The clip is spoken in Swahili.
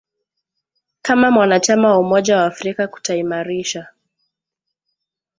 kama mwanachama wa umoja wa afrika kutaimarisha